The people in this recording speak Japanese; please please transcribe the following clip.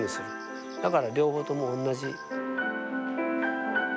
だから両方ともおんなじ。